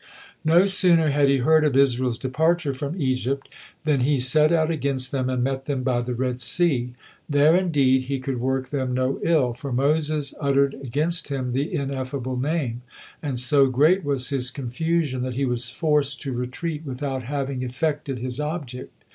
No sooner had he heard of Israel's departure from Egypt, then he set out against them and met them by the Red Sea. There, indeed, he could work them no ill, for Moses uttered against him the Ineffable Name; and so great was his confusion, that he was forced to retreat without having effected his object.